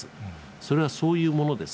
それはそういうものです。